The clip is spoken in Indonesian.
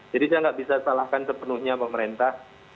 jadi kita tidak bisa salahkan sepenuhnya pemerintah